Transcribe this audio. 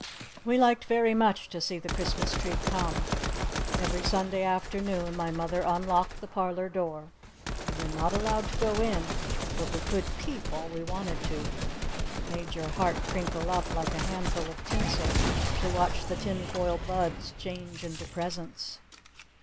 We liked very much to see the Christmas tree come. Every Sunday afternoon my mother unlocked the parlor door. We were not allowed to go in. But we could peep all we wanted to. It made your heart crinkle up like a handful of tinsel to watch the tin foil buds change into presents.